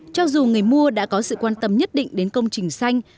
cho dù người mua đã có sự quan tâm nhất định đến công trình xanh